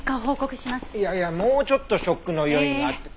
いやいやもうちょっとショックの余韻があっても。